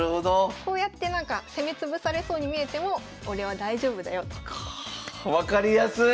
こうやってなんか攻め潰されそうに見えても俺は大丈夫だよと。か分かりやすい！